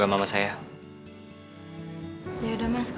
eh apa sih